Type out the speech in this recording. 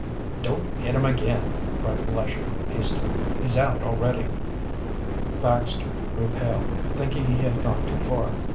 "Don't hit him again!" cried Lesher hastily. "He's out already." Baxter grew pale, thinking he had gone too far.